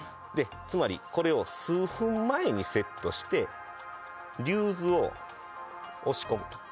つまりこれを数分前にセットして竜頭を押し込むと。